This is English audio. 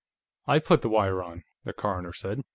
"I put the wire on," the coroner said.